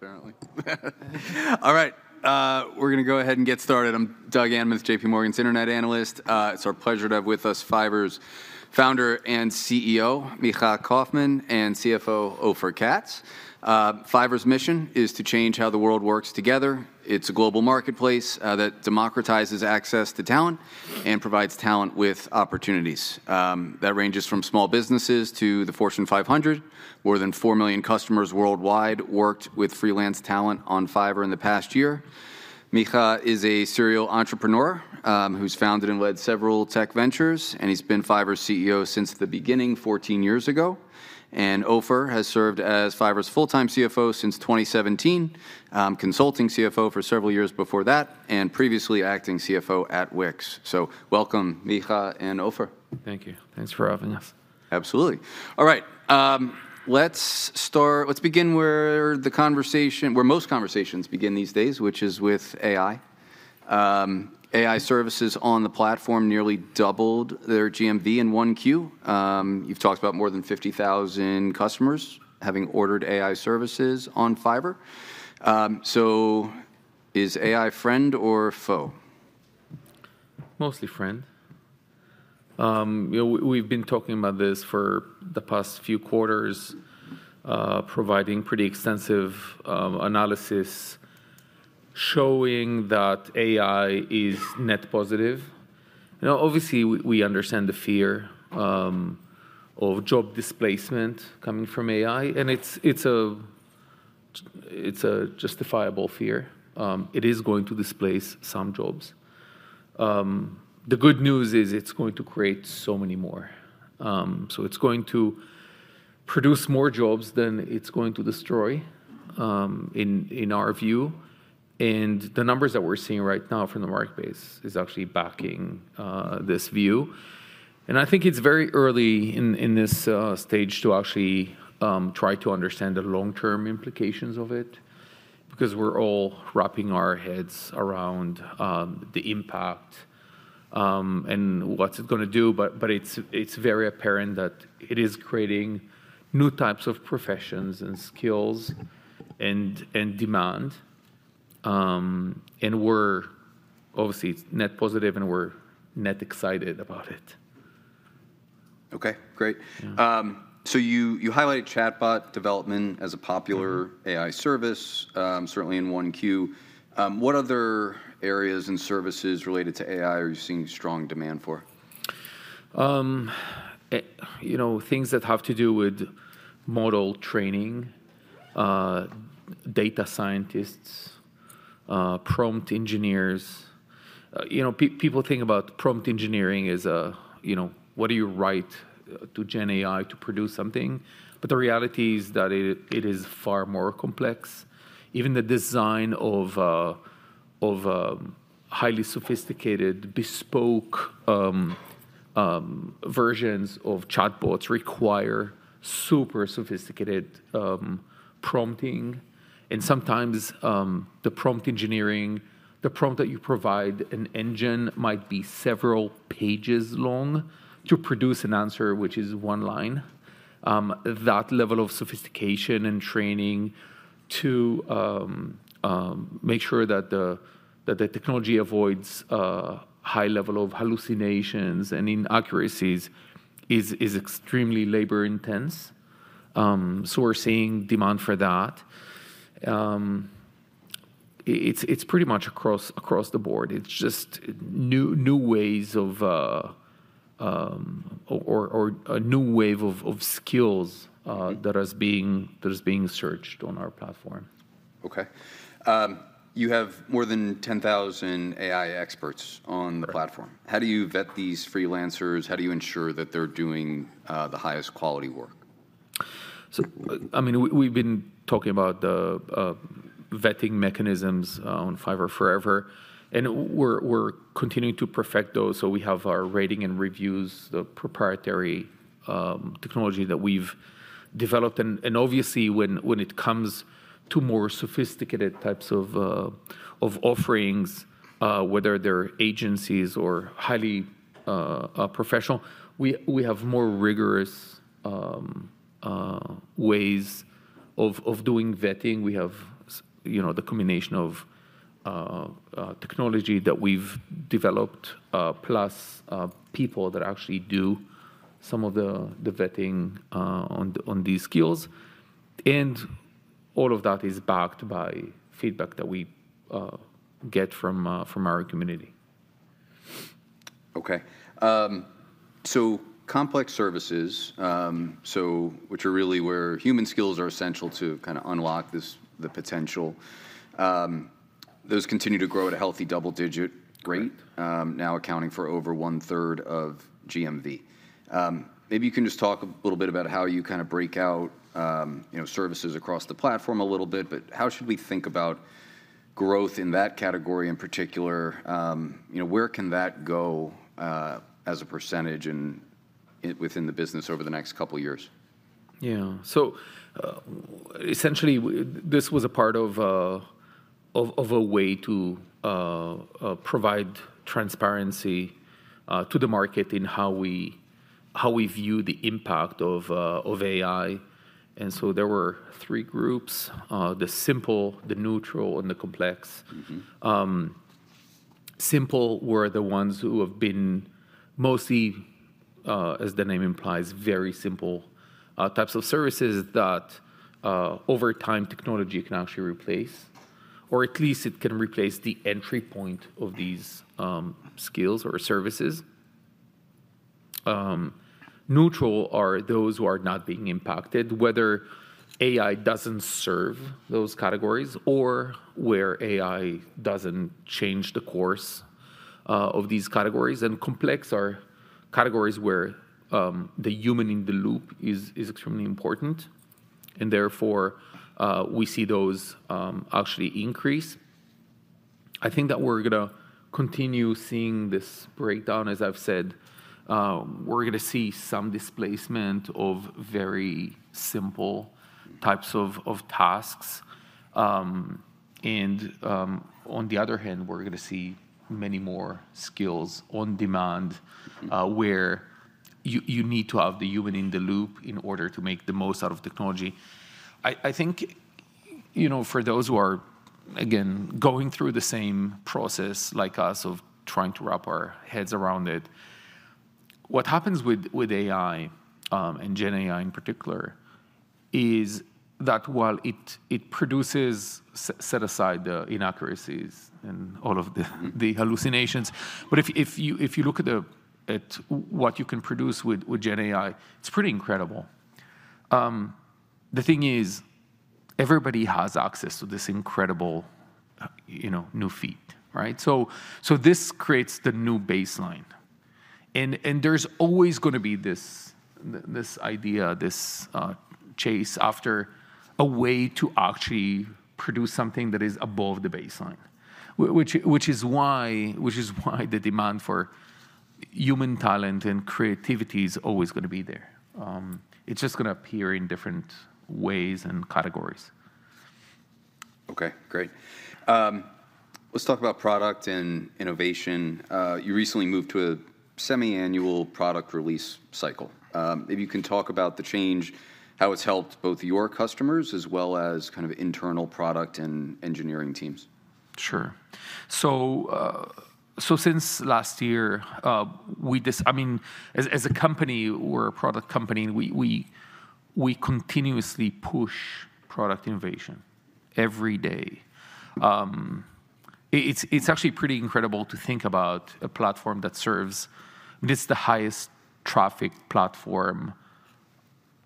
We are, apparently. All right, we're gonna go ahead and get started. I'm Doug Anmuth, JPMorgan's internet analyst. It's our pleasure to have with us Fiverr's founder and CEO, Micha Kaufman, and CFO, Ofer Katz. Fiverr's mission is to change how the world works together. It's a global marketplace that democratizes access to talent and provides talent with opportunities that ranges from small businesses to the Fortune 500. More than 4 million customers worldwide worked with freelance talent on Fiverr in the past year. Micha is a serial entrepreneur who's founded and led several tech ventures, and he's been Fiverr's CEO since the beginning, 14 years ago. And Ofer has served as Fiverr's full-time CFO since 2017, consulting CFO for several years before that, and previously acting CFO at Wix. So welcome, Micha and Ofer. Thank you. Thanks for having us. Absolutely. All right, let's begin where the conversation, where most conversations begin these days, which is with AI. AI services on the platform nearly doubled their GMV in 1Q. You've talked about more than 50,000 customers having ordered AI services on Fiverr. So is AI friend or foe? Mostly friend. You know, we've been talking about this for the past few quarters, providing pretty extensive analysis, showing that AI is net positive. You know, obviously, we understand the fear of job displacement coming from AI, and it's a justifiable fear. It is going to displace some jobs. The good news is it's going to create so many more. So it's going to produce more jobs than it's going to destroy, in our view, and the numbers that we're seeing right now from the marketplace is actually backing this view. And I think it's very early in this stage to actually try to understand the long-term implications of it, because we're all wrapping our heads around the impact and what's it gonna do. But it's very apparent that it is creating new types of professions, and skills, and demand. And we're obviously net positive, and we're net excited about it. Okay, great. Yeah. So you highlighted chatbot development as a popular- Mm-hmm AI service, certainly in 1Q. What other areas and services related to AI are you seeing strong demand for? You know, things that have to do with model training, data scientists, prompt engineers. You know, people think about prompt engineering as, you know, what do you write to GenAI to produce something? But the reality is that it is far more complex. Even the design of highly sophisticated, bespoke versions of chatbots require super sophisticated prompting. And sometimes, the prompt engineering, the prompt that you provide, an engine might be several pages long to produce an answer, which is one line. That level of sophistication and training to make sure that the technology avoids high level of hallucinations and inaccuracies is extremely labor intense. So we're seeing demand for that. It's pretty much across the board. It's just new ways of a new wave of skills that is being searched on our platform. Okay. You have more than 10,000 AI experts on the platform. Right. How do you vet these freelancers? How do you ensure that they're doing the highest quality work? So, I mean, we've been talking about the vetting mechanisms on Fiverr forever, and we're continuing to perfect those. So we have our rating and reviews, the proprietary technology that we've developed. And obviously, when it comes to more sophisticated types of offerings, whether they're agencies or highly professional, we have more rigorous ways of doing vetting. We have, you know, the combination of technology that we've developed, plus people that actually do some of the vetting on these skills. And all of that is backed by feedback that we get from our community. Okay. So complex services, which are really where human skills are essential to kinda unlock this, the potential, those continue to grow at a healthy double-digit rate. Mm. Now accounting for over one-third of GMV. Maybe you can just talk a little bit about how you kinda break out, you know, services across the platform a little bit. But how should we think about growth in that category in particular? You know, where can that go, as a percentage and within the business over the next couple of years? Yeah. So, essentially, this was a part of a way to provide transparency to the market in how we view the impact of AI, and so there were three groups: the simple, the neutral, and the complex. Mm-hmm. Simple were the ones who have been mostly, as the name implies, very simple types of services that, over time, technology can actually replace, or at least it can replace the entry point of these skills or services. Neutral are those who are not being impacted, whether AI doesn't serve those categories or where AI doesn't change the course of these categories. And complex are categories where the human in the loop is extremely important, and therefore, we see those actually increase. I think that we're gonna continue seeing this breakdown, as I've said. We're gonna see some displacement of very simple- Mm Types of tasks. On the other hand, we're gonna see many more skills on demand, where you need to have the human in the loop in order to make the most out of technology. I think, you know, for those who are again going through the same process like us of trying to wrap our heads around it, what happens with AI and GenAI in particular is that while it produces, set aside the inaccuracies and all of the hallucinations, but if you look at what you can produce with GenAI, it's pretty incredible. The thing is, everybody has access to this incredible you know new feat, right? So this creates the new baseline and there's always gonna be this idea, this chase after a way to actually produce something that is above the baseline, which is why the demand for human talent and creativity is always gonna be there. It's just gonna appear in different ways and categories. Okay, great. Let's talk about product and innovation. You recently moved to a semi-annual product release cycle. Maybe you can talk about the change, how it's helped both your customers, as well as kind of internal product and engineering teams. Sure. So, so since last year, we just—I mean, as a company, we're a product company and we continuously push product innovation every day. It's actually pretty incredible to think about a platform that serves... This is the highest traffic platform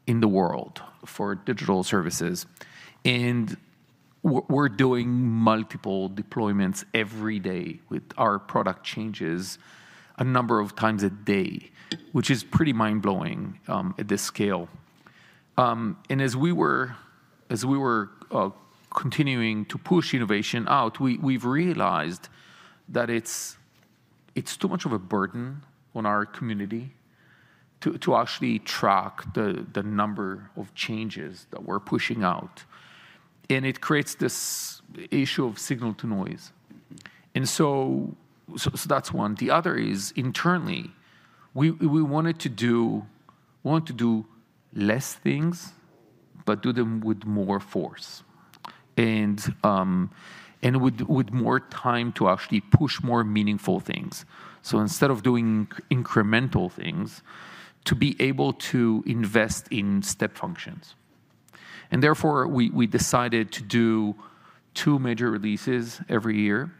in the world for digital services, and we're doing multiple deployments every day with our product changes a number of times a day, which is pretty mind-blowing, at this scale. And as we were continuing to push innovation out, we've realized that it's too much of a burden on our community to actually track the number of changes that we're pushing out, and it creates this issue of signal to noise. So that's one. The other is, internally, we wanted to do—we want to do less things but do them with more force and, and with more time to actually push more meaningful things. So instead of doing incremental things, to be able to invest in step functions. And therefore, we decided to do two major releases every year,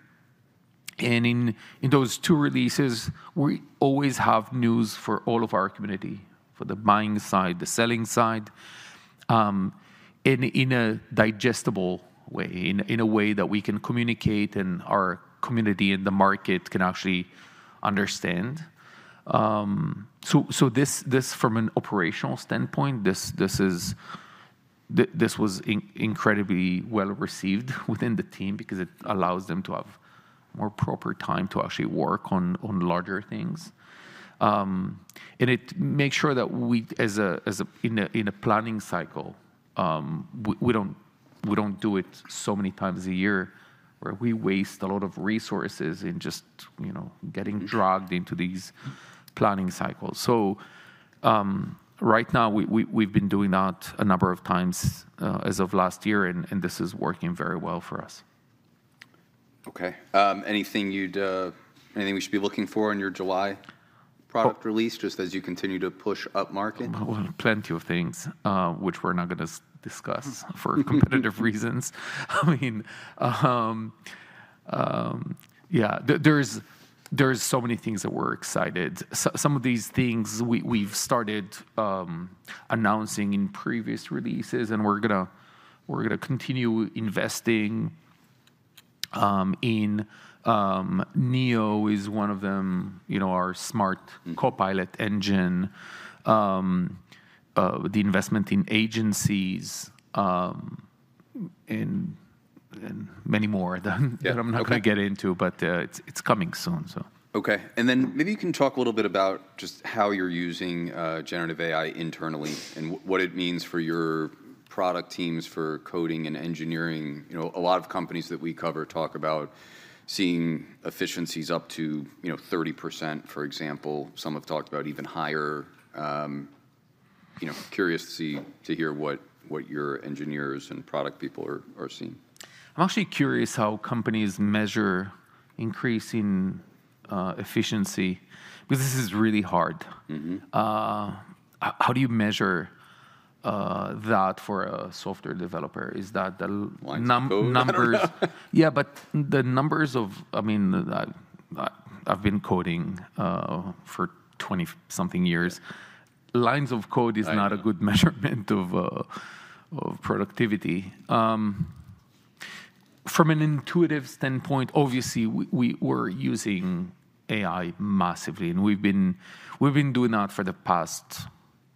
and in those two releases, we always have news for all of our community, for the buying side, the selling side, in a digestible way, in a way that we can communicate and our community and the market can actually understand. So this, from an operational standpoint, this is—this was incredibly well received within the team because it allows them to have more proper time to actually work on larger things. And it makes sure that we, in a planning cycle, we don't do it so many times a year, where we waste a lot of resources in just, you know, getting dragged into these planning cycles. So, right now, we've been doing that a number of times, as of last year, and this is working very well for us. Okay. Anything we should be looking for in your July product release, just as you continue to push up market? Well, plenty of things which we're not gonna discuss for competitive reasons. I mean, yeah, there's so many things that we're excited. So some of these things we've started announcing in previous releases, and we're gonna continue investing in Neo, is one of them, you know, our smart- Mm.... copilot engine, the investment in agencies, and many more that- Yeah... I'm not gonna get into, but, it's coming soon, so. Okay. And then, maybe you can talk a little bit about just how you're using generative AI internally, and what it means for your product teams for coding and engineering, you know, a lot of companies that we cover talk about seeing efficiencies up to, you know, 30%, for example. Some have talked about even higher. You know, curious to see, to hear what your engineers and product people are seeing. I'm actually curious how companies measure increase in efficiency, because this is really hard. Mm-hmm. How do you measure that for a software developer? Is that the- Lines of code? Numbers... Yeah, but the numbers—I mean, I've been coding for 20-something years. Yeah. Lines of code is- I know... not a good measurement of productivity. From an intuitive standpoint, obviously, we're using AI massively, and we've been doing that for the past,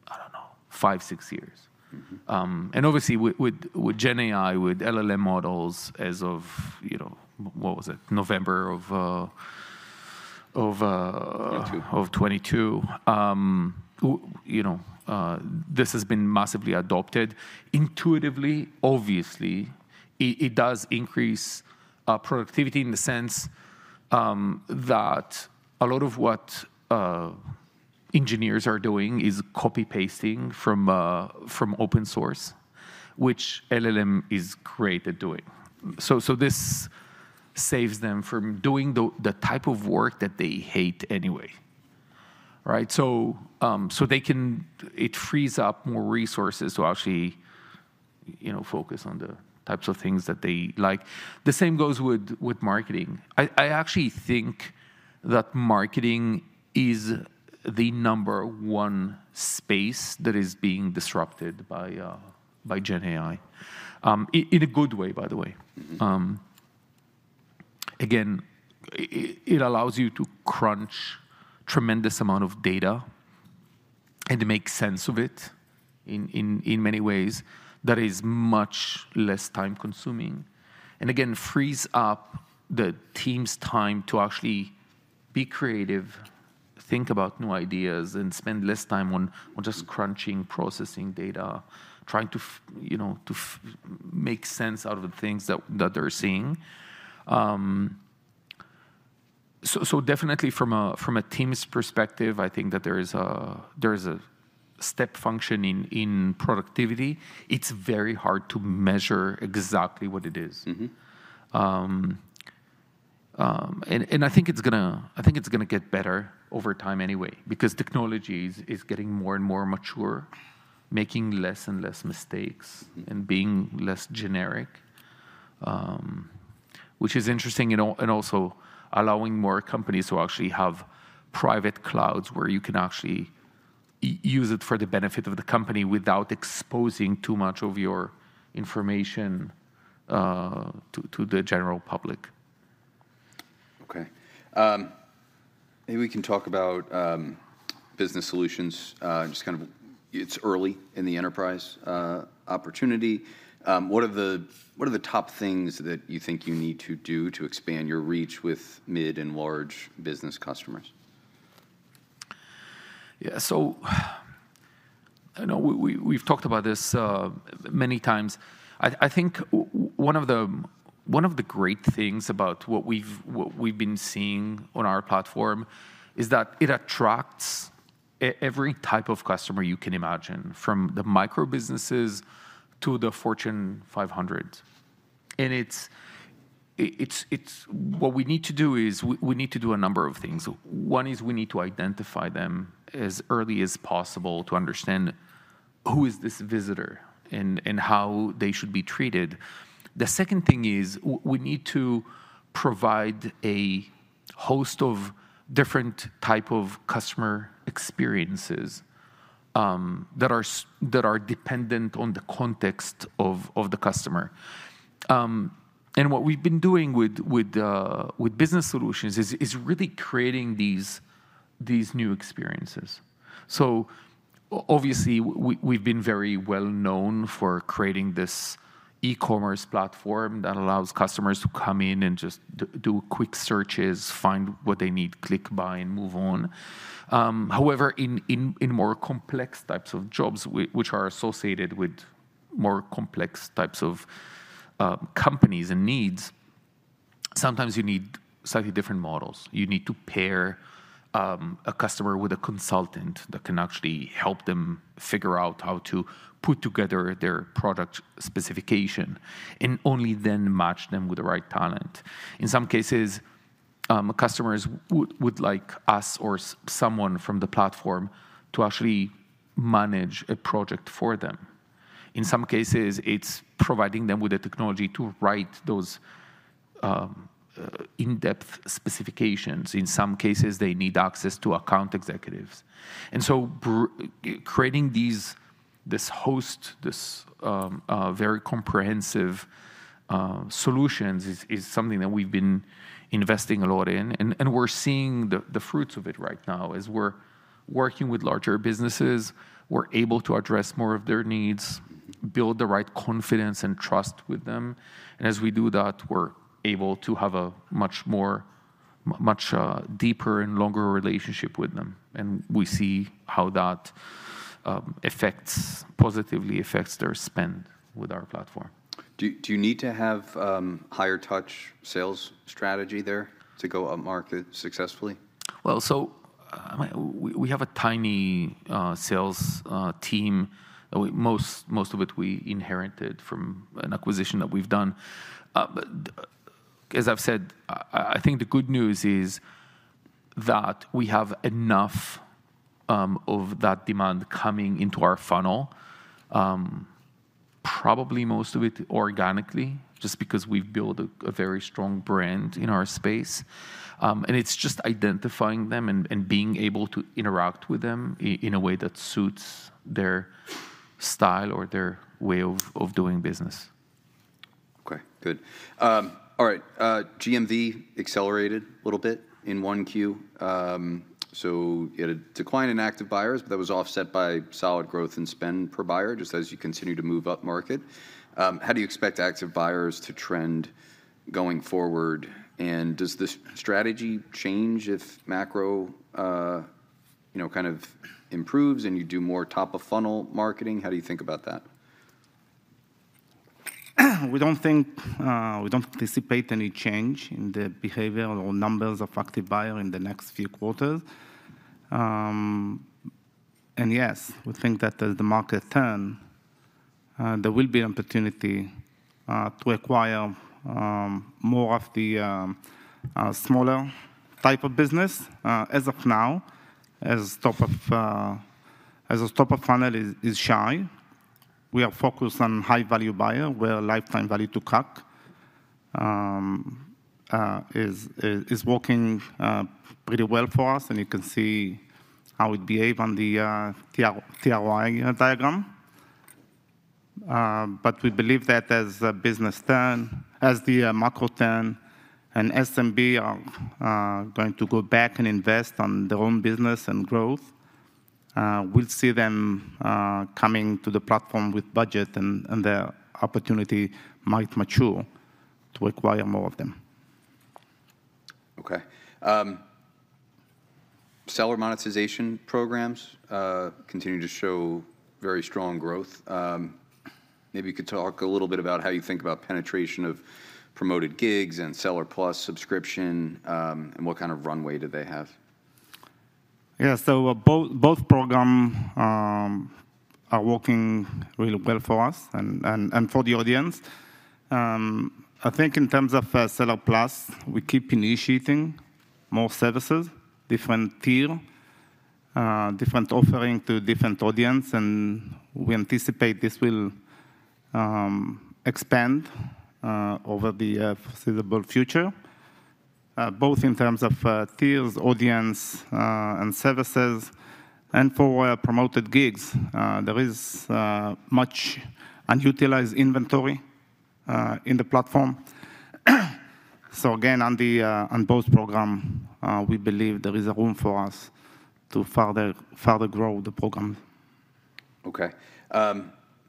I don't know, five, six years. Mm-hmm. And obviously, with GenAI, with LLM models, as of, you know, what was it? November of 2022... of 2022. You know, this has been massively adopted. Intuitively, obviously, it does increase productivity in the sense that a lot of what engineers are doing is copy-pasting from open source, which LLM is great at doing. So this saves them from doing the type of work that they hate anyway. Right? So they can- it frees up more resources to actually, you know, focus on the types of things that they like. The same goes with marketing. I actually think that marketing is the number one space that is being disrupted by GenAI in a good way, by the way. Mm-hmm. Again, it allows you to crunch tremendous amount of data and make sense of it in many ways that is much less time-consuming, and again, frees up the team's time to actually be creative, think about new ideas, and spend less time on just crunching, processing data, trying to, you know, to make sense out of the things that they're seeing. So, definitely from a team's perspective, I think that there is a step function in productivity. It's very hard to measure exactly what it is. Mm-hmm. I think it's gonna get better over time anyway, because technology is getting more and more mature, making less and less mistakes- Mm... and being less generic. Which is interesting, and also allowing more companies to actually have private clouds, where you can actually use it for the benefit of the company without exposing too much of your information to the general public. Okay. Maybe we can talk about Business Solutions. Just kind of, it's early in the enterprise opportunity. What are the, what are the top things that you think you need to do to expand your reach with mid and large business customers? Yeah. So, I know we've talked about this many times. I think one of the great things about what we've been seeing on our platform is that it attracts every type of customer you can imagine, from the micro businesses to the Fortune 500. And it's what we need to do is we need to do a number of things. One is we need to identify them as early as possible to understand who is this visitor and how they should be treated. The second thing is we need to provide a host of different type of customer experiences that are dependent on the context of the customer. What we've been doing with Business Solutions is really creating these new experiences. So obviously, we've been very well known for creating this e-commerce platform that allows customers to come in and just do quick searches, find what they need, click, buy, and move on. However, in more complex types of jobs, which are associated with more complex types of companies and needs, sometimes you need slightly different models. You need to pair a customer with a consultant that can actually help them figure out how to put together their product specification, and only then match them with the right talent. In some cases, customers would like us or someone from the platform to actually manage a project for them. In some cases, it's providing them with the technology to write those in-depth specifications. In some cases, they need access to account executives. And so, creating these, this host of very comprehensive solutions is something that we've been investing a lot in. And we're seeing the fruits of it right now. As we're working with larger businesses, we're able to address more of their needs, build the right confidence and trust with them, and as we do that, we're able to have a much, much deeper and longer relationship with them, and we see how that positively affects their spend with our platform. Do you need to have higher touch sales strategy there to go upmarket successfully? Well, so, we have a tiny sales team. Most of it we inherited from an acquisition that we've done. But, as I've said, I think the good news is that we have enough of that demand coming into our funnel, probably most of it organically, just because we've built a very strong brand in our space. And it's just identifying them and being able to interact with them in a way that suits their style or their way of doing business. Okay, good. All right, GMV accelerated a little bit in Q1. So it had a decline in active buyers, but that was offset by solid growth and spend per buyer, just as you continue to move upmarket. How do you expect active buyers to trend going forward? And does this strategy change if macro, you know, kind of improves, and you do more top-of-funnel marketing? How do you think about that? We don't think we don't anticipate any change in the behavior or numbers of active buyer in the next few quarters. And yes, we think that as the market turn there will be opportunity to acquire more of the smaller type of business. As of now, as top of funnel is shy, we are focused on high-value buyer, where lifetime value to CAC is working pretty well for us, and you can see how it behave on the ROI diagram. But we believe that as the business turn, as the macro turn, and SMB are going to go back and invest on their own business and growth, we'll see them coming to the platform with budget, and their opportunity might mature to acquire more of them. Okay. Seller monetization programs continue to show very strong growth. Maybe you could talk a little bit about how you think about penetration of Promoted Gigs and Seller Plus subscription, and what kind of runway do they have? Yeah. So both program are working really well for us and for the audience. I think in terms of Seller Plus, we keep initiating more services, different tier, different offering to different audience, and we anticipate this will expand over the foreseeable future, both in terms of tiers, audience, and services. And for Promoted Gigs, there is much unutilized inventory in the platform. So again, on both program, we believe there is a room for us to further grow the program. Okay.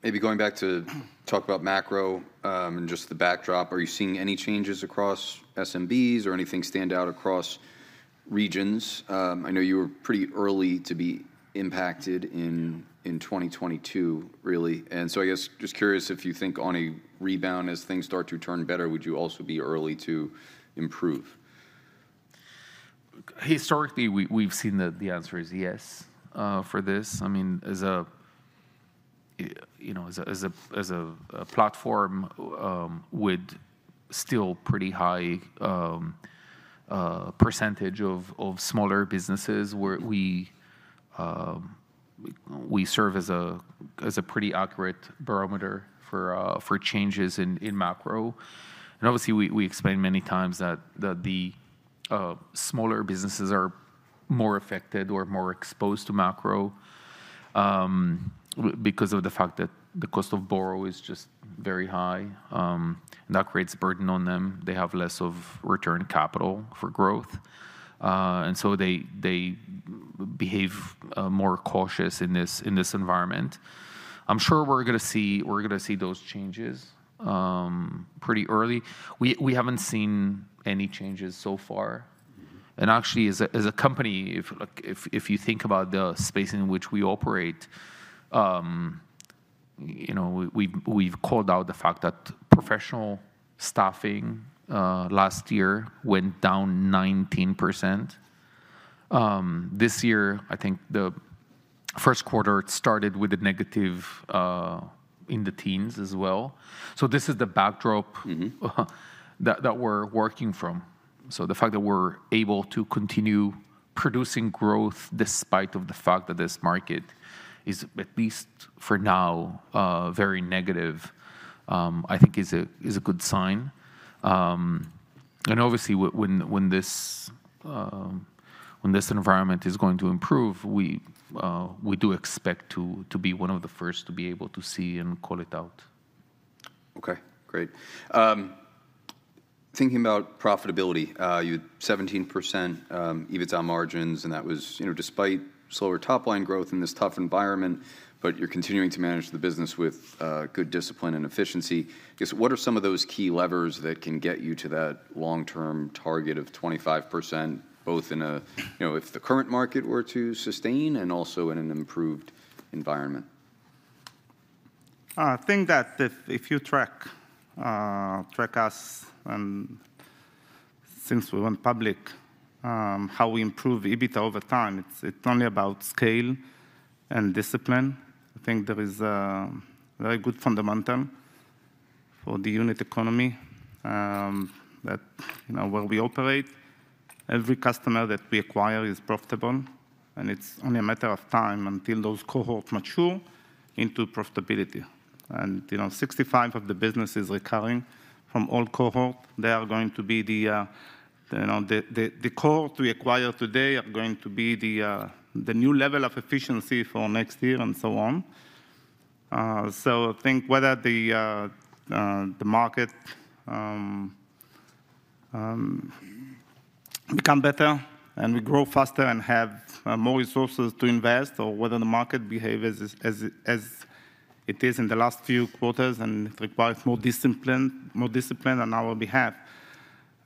Maybe going back to talk about macro, and just the backdrop, are you seeing any changes across SMBs or anything stand out across regions? I know you were pretty early to be impacted in 2022, really. And so I guess, just curious if you think on a rebound, as things start to turn better, would you also be early to improve? Historically, we've seen that the answer is yes for this. I mean, you know, as a platform with still pretty high percentage of smaller businesses, where we serve as a pretty accurate barometer for changes in macro. And obviously, we explained many times that the smaller businesses are more affected or more exposed to macro because of the fact that the cost of borrow is just very high, and that creates a burden on them. They have less of return capital for growth, and so they behave more cautious in this environment. I'm sure we're gonna see those changes pretty early. We haven't seen any changes so far. Mm-hmm. Actually, as a company, if, like, if you think about the space in which we operate, you know, we've called out the fact that professional staffing last year went down 19%. This year, I think the first quarter started with a negative in the teens as well. So this is the backdrop- Mm-hmm... that we're working from. So the fact that we're able to continue producing growth, despite of the fact that this market is, at least for now, very negative, I think is a good sign. And obviously, when this environment is going to improve, we do expect to be one of the first to be able to see and call it out. Okay, great. Thinking about profitability, you had 17% EBITDA margins, and that was, you know, despite slower top-line growth in this tough environment, but you're continuing to manage the business with good discipline and efficiency. I guess, what are some of those key levers that can get you to that long-term target of 25%, both in a, you know, if the current market were to sustain and also in an improved environment? I think that if you track us since we went public, how we improve EBITDA over time, it's only about scale and discipline. I think there is a very good fundamental for the unit economy, that, you know, where we operate, every customer that we acquire is profitable, and it's only a matter of time until those cohorts mature into profitability. And, you know, 65 of the business is recurring from all cohort. They are going to be the, you know, the cohort we acquire today are going to be the new level of efficiency for next year and so on. So I think whether the market become better and we grow faster and have more resources to invest, or whether the market behaves as it is in the last few quarters and it requires more discipline on our behalf,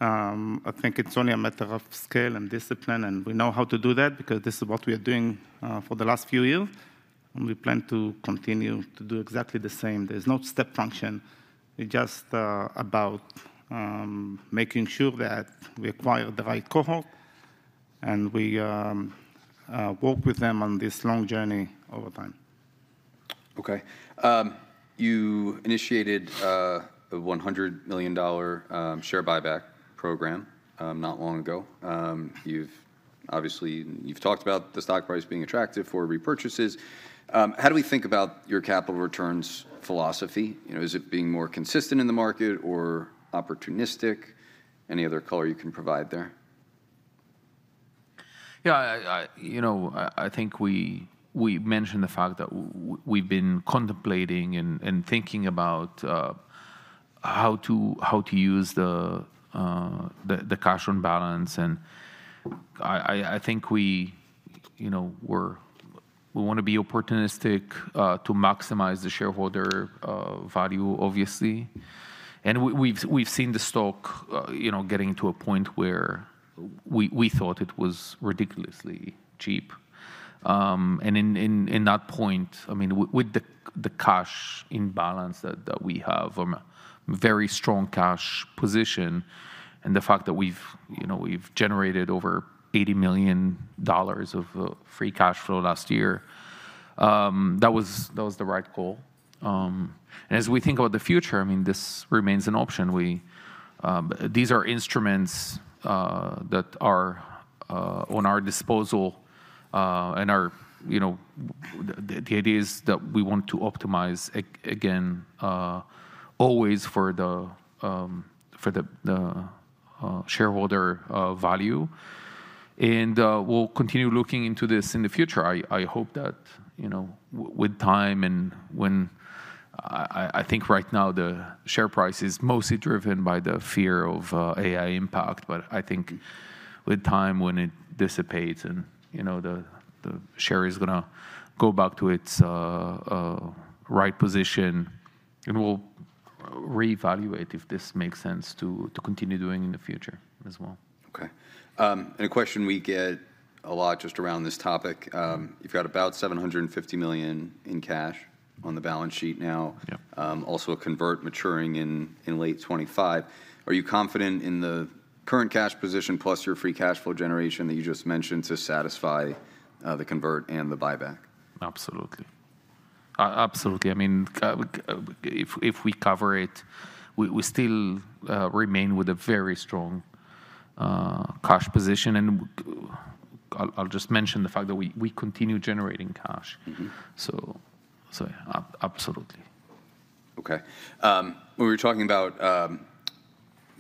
I think it's only a matter of scale and discipline, and we know how to do that because this is what we are doing for the last few years, and we plan to continue to do exactly the same. There's no step function. It's just about making sure that we acquire the right cohort, and we work with them on this long journey over time. Okay. You initiated a $100 million share buyback program not long ago. You've obviously talked about the stock price being attractive for repurchases. How do we think about your capital returns philosophy? You know, is it being more consistent in the market or opportunistic? Any other color you can provide there? Yeah, you know, I think we've mentioned the fact that we've been contemplating and thinking about how to use the cash on balance. And I think we, you know, we're, we wanna be opportunistic to maximize the shareholder value, obviously. And we've seen the stock, you know, getting to a point where we thought it was ridiculously cheap. And in that point, I mean, with the cash in balance that we have, a very strong cash position, and the fact that we've, you know, generated over $80 million of free cash flow last year, that was the right call. And as we think about the future, I mean, this remains an option. We, these are instruments that are at our disposal, and are, you know, the idea is that we want to optimize again, always for the, for the, the shareholder value. And, we'll continue looking into this in the future. I hope that, you know, with time and when... I think right now, the share price is mostly driven by the fear of AI impact, but I think with time, when it dissipates and, you know, the share is gonna go back to its right position, and we'll reevaluate if this makes sense to continue doing in the future as well. Okay. A question we get a lot just around this topic: You've got about $750 million in cash on the balance sheet now. Yeah. Also a convert maturing in late 2025. Are you confident in the current cash position plus your free cash flow generation that you just mentioned to satisfy the convert and the buyback? Absolutely. Absolutely, I mean, if we cover it, we still remain with a very strong cash position. And I'll just mention the fact that we continue generating cash. Mhm. So, absolutely. Okay. When we were talking about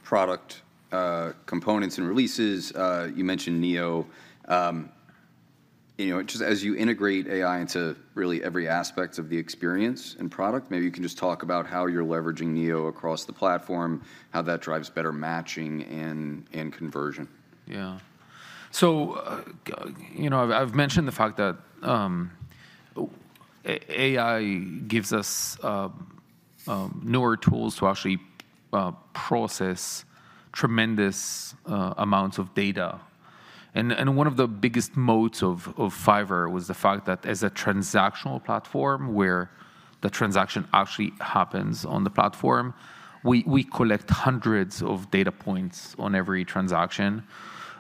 product components and releases, you mentioned Neo. You know, just as you integrate AI into really every aspect of the experience and product, maybe you can just talk about how you're leveraging Neo across the platform, how that drives better matching and conversion. Yeah. So, you know, I've mentioned the fact that AI gives us newer tools to actually process tremendous amounts of data. And one of the biggest moats of Fiverr was the fact that as a transactional platform, where the transaction actually happens on the platform, we collect hundreds of data points on every transaction.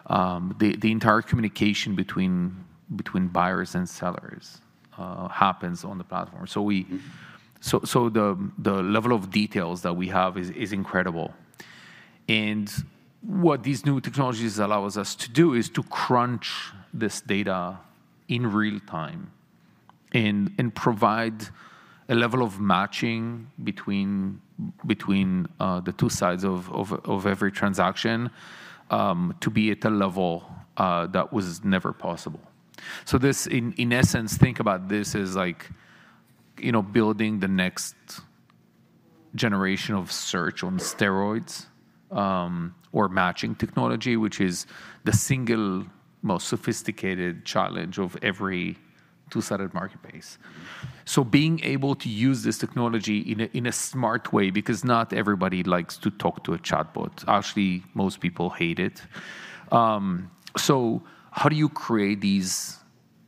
The entire communication between buyers and sellers happens on the platform. Mhm. So the level of details that we have is incredible. And what these new technologies allows us to do is to crunch this data in real time and provide a level of matching between the two sides of every transaction to be at a level that was never possible. So this in essence, think about this as like, you know, building the next generation of search on steroids, or matching technology, which is the single most sophisticated challenge of every two-sided marketplace. So being able to use this technology in a smart way, because not everybody likes to talk to a chatbot. Actually, most people hate it. So how do you create these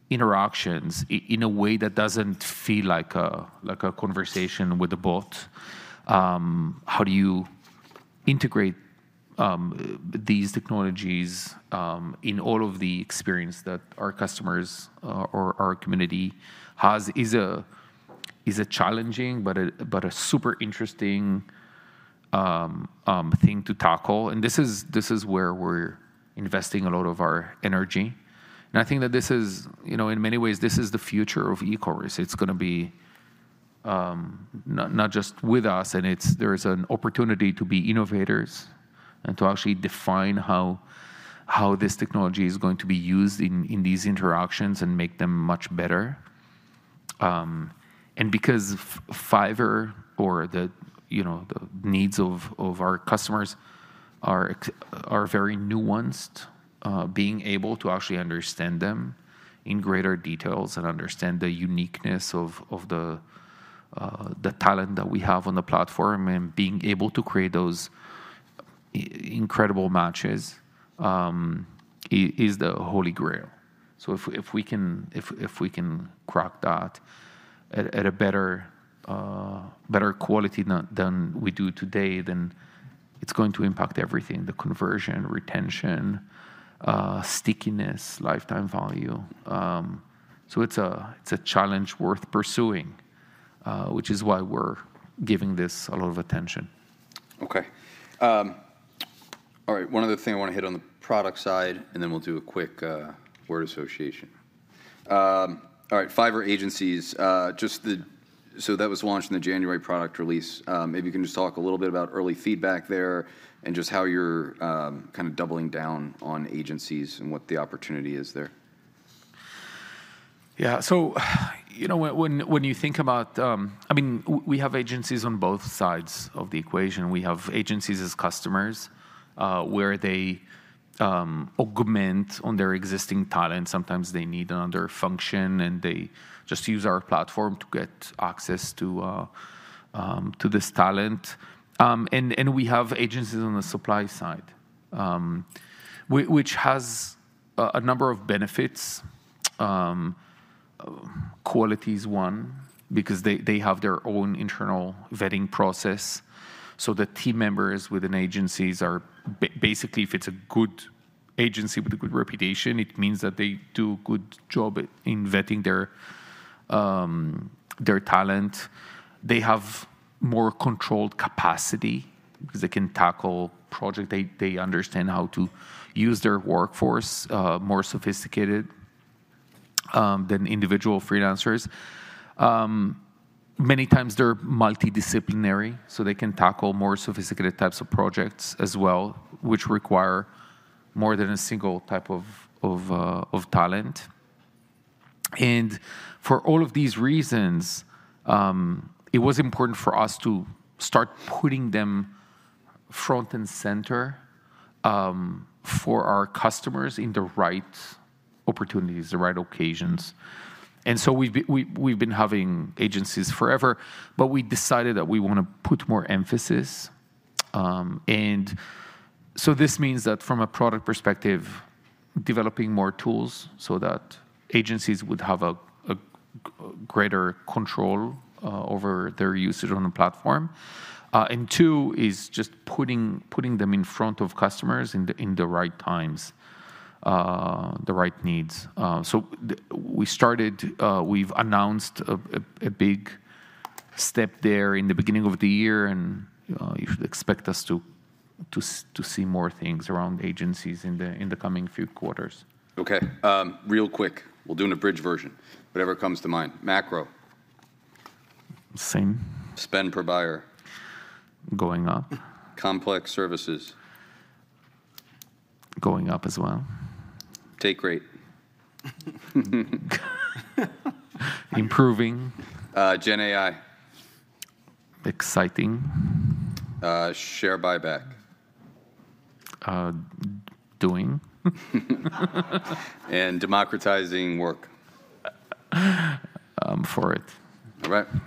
interactions in a way that doesn't feel like a, like a conversation with a bot? How do you integrate these technologies in all of the experience that our customers or our community has is a challenging, but a super interesting thing to tackle, and this is where we're investing a lot of our energy. And I think that this is, you know, in many ways, this is the future of e-commerce. It's gonna be not just with us, and there is an opportunity to be innovators and to actually define how this technology is going to be used in these interactions and make them much better. And because Fiverr, you know, the needs of our customers are very nuanced, being able to actually understand them in greater details and understand the uniqueness of the talent that we have on the platform, and being able to create those incredible matches is the holy grail. So if we can crack that at a better quality than we do today, then it's going to impact everything: the conversion, retention, stickiness, lifetime value. So it's a challenge worth pursuing, which is why we're giving this a lot of attention. Okay. All right, one other thing I want to hit on the product side, and then we'll do a quick word association. All right, Fiverr Agencies, so that was launched in the January product release. Maybe you can just talk a little bit about early feedback there and just how you're kind of doubling down on agencies and what the opportunity is there. Yeah, so you know, when you think about, I mean, we have agencies on both sides of the equation. We have agencies as customers, where they augment on their existing talent. Sometimes they need another function, and they just use our platform to get access to this talent. And we have agencies on the supply side, which has a number of benefits. Quality is one, because they have their own internal vetting process, so the team members within agencies are basically, if it's a good agency with a good reputation, it means that they do good job at vetting their talent. They have more controlled capacity because they can tackle project. They understand how to use their workforce more sophisticated than individual freelancers. Many times, they're multidisciplinary, so they can tackle more sophisticated types of projects as well, which require more than a single type of talent. And for all of these reasons, it was important for us to start putting them front and center for our customers in the right opportunities, the right occasions. And so we've been having agencies forever, but we decided that we want to put more emphasis. And so this means that from a product perspective, developing more tools so that agencies would have greater control over their usage on the platform. And two, is just putting them in front of customers in the right times, the right needs. So the... We started. We've announced a big step there in the beginning of the year, and you expect us to see more things around agencies in the coming few quarters. Okay, real quick. We'll do an abridged version. Whatever comes to mind. Macro? Same. Spend per buyer? Going up. Complex services. Going up as well. Take rate. Improving. Uh, GenAI. Exciting. Share buyback. Uh, doing. Democratizing work. For it. All right, cool.